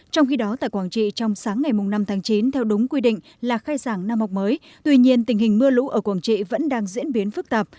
trong khi đó tại quảng trị trong sáng ngày năm tháng chín theo đúng quy định là khai giảng năm học mới tuy nhiên tình hình mưa lũ ở quảng trị vẫn đang diễn biến phức tạp